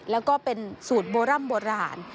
แล้วก็เป็นสูตรโบร่ำโบราณ